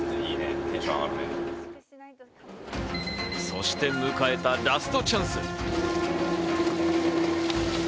そして迎えたラストチャンス。